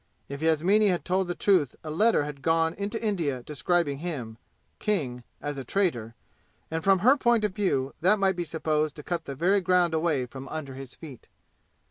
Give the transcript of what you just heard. If Yasmini had told the truth a letter had gone into India describing him, King, as a traitor, and from her point of view that might be supposed to cut the very ground away from under his feet.